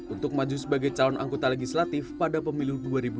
untuk maju sebagai calon anggota legislatif pada pemilu dua ribu dua puluh